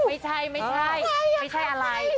ไม่ใช่ไม่ใช่อะไร